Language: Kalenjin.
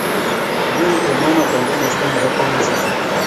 Mi emonoto komosta nepo kongasis